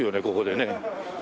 ここでね。